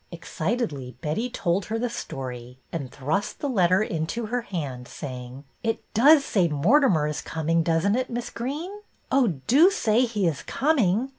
Excitedly Betty told her the story, and thrust the letter into her hand, saying, —" It does say Mortimer is coming, does n't it. Miss Greene.? Oh, do say he is coming.